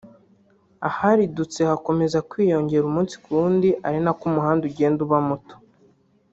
aharidutse hakomeza kwiyongera umunsi ku wundi ari nako umuhanda ugenda uba muto